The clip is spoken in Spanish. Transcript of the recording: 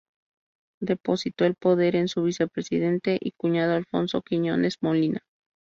Depositó el poder en su vicepresidente y cuñado, Alfonso Quiñónez Molina.